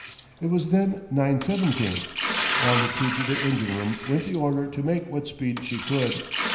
It was then nine seventeen. Down the tube to the engine room went the order to make what speed she could.